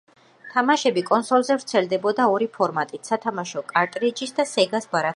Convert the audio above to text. თამაშები კონსოლზე ვრცელდებოდა ორი ფორმატით: სათამაშო კარტრიჯის და სეგას ბარათის საშუალებით.